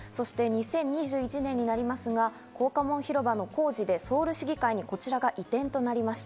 そして２０２１年になりますが、光化門広場の工事でソウル市議会に、こちらが移転となりました。